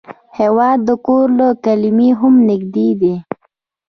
هېواد د کور له کلمې هم نږدې دی.